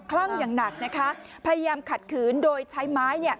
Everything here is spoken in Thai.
คลั่งอย่างหนักนะคะพยายามขัดขืนโดยใช้ไม้